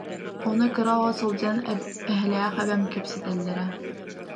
Ону кыра оҕо сылдьан эһэлээх эбэм кэпсэтэллэрэ